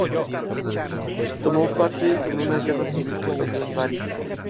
Tomó parte en una guerra civil que estalló en Bari.